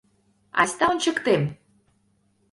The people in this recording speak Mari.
Айста, ончыктем.